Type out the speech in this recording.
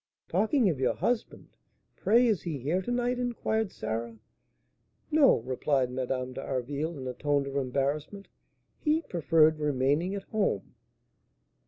"Talking of your husband, pray is he here to night?" inquired Sarah. "No," replied Madame d'Harville, in a tone of embarrassment; "he preferred remaining at home."